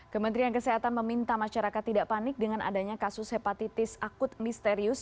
kementerian kesehatan meminta masyarakat tidak panik dengan adanya kasus hepatitis akut misterius